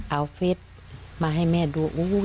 เอาเฟสมาให้แม่ดู